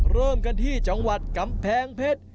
เริ่มกันที่จังหวัดกำแพงเพชร